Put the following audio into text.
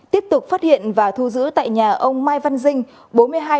tiếp tục phát hiện và thu giữ tại nhà ông mai văn dinh